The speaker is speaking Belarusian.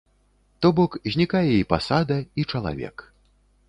То бок, знікае і пасада, і чалавек.